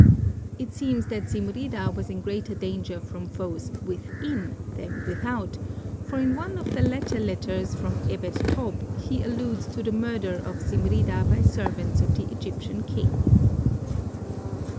It seems that Zimrida was in greater danger from foes within than without, for in one of the later letters from Ebed tob, he alludes to the murder of Zimrida by servants of the Egyptian king.